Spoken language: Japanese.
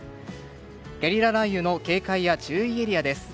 ゲリラ雷雨の警戒や注意エリアです。